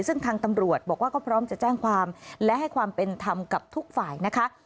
ซึ่งทางตำรวจบอกว่าก็พร้อมจะแจ้งความและให้ความเป็นธรรมกับทุกฝ่ายนะคะ